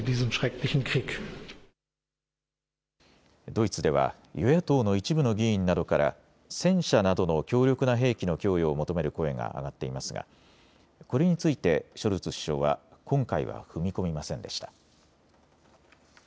ドイツでは与野党の一部の議員などから戦車などの強力な兵器の供与を求める声が上がっていますがこれについてショルツ首相は今回は踏み込みませんでした。